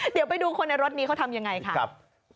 เดี๋ยวไปดูคนในรถนี้เขาทำยังไงค่ะครับ